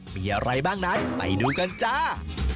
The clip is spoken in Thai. มีอะไรบ้างนั้นไปดูกันจ้า